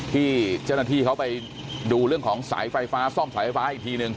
ที่เจ้าหน้าที่เขาไปดูเรื่องของสายไฟฟ้าซ่อมสายไฟฟ้าอีกทีนึง